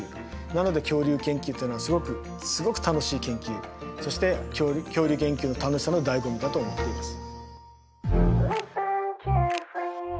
なので恐竜研究っていうのはすごくすごく楽しい研究そして恐竜研究の楽しさのだいご味だと思っています。